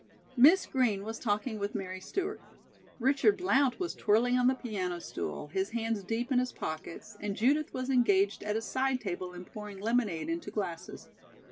Miss Green was talking with Mary Stewart. Richard Blount was twirling on the piano stool, his hands deep in his pockets, and Judith was engaged at a side table in pouring lemonade into glasses.